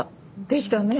できたね。